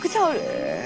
へえ。